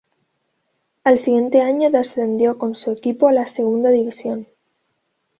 Al siguiente año descendió con su equipo a la segunda división.